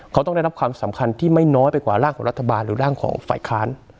เขาต้องได้รับความสำคัญที่ไม่น้อยไปกว่าร่างของรัฐบาลหรือร่างของฝ่ายค้าน